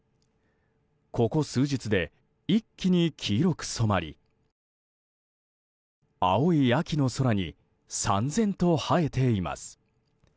ここ数日で一気に黄色く染まり青い秋の空に燦然と映えています。